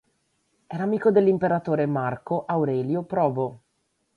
Era amico dell'imperatore Marco Aurelio Probo.